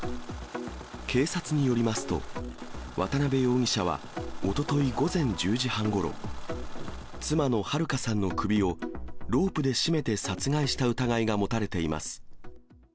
警察によりますと、渡辺容疑者はおととい午前１０時半ごろ、妻の春香さんの首を、ロープで絞めて殺害した疑いが持たれています。